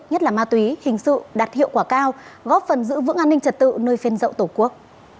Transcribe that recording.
nhất là ma túy hình sự đạt hiệu quả cao góp phần giữ vững an ninh trật tự nơi phên rậu tổ quốc